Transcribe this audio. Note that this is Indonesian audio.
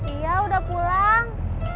iya udah pulang